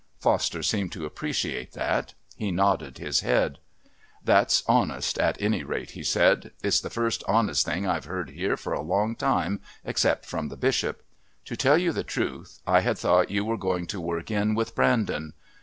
Foster seemed to appreciate that. He nodded his head. "That's honest at any rate," he said. "It's the first honest thing I've heard here for a long time except from the Bishop. To tell you the truth, I had thought you were going to work in with Brandon.